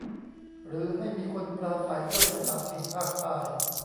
หรือให้มีคนปราศัยด้วยภาษาถิ่นภาคใต้